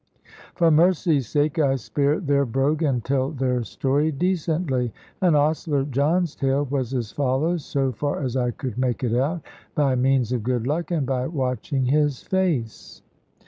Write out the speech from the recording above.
For mercy's sake I spare their brogue, and tell their story decently. And Ostler John's tale was as follows, so far as I could make it out, by means of good luck, and by watching his face.